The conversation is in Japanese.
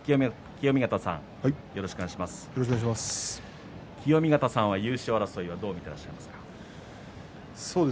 清見潟さんは優勝争いはどう見てらっしゃいますか？